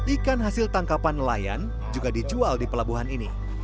ikan hasil tangkapan nelayan juga dijual di pelabuhan ini